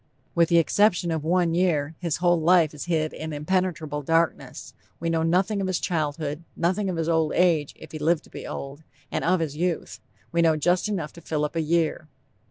With the exception of one year, his whole life is hid in impenetrable darkness. We know nothing of his childhood, nothing of his old age, if he lived to be old, and of his youth, we know just enough to fill up a year.